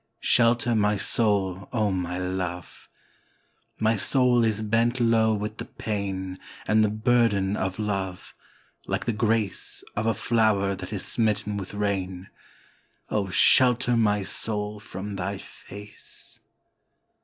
Shelter my soul, O my Love! My soul is bent low with the painAnd the burden of love, like the graceOf a flower that is smitten with rain; Oh, shelter my soul from thy face!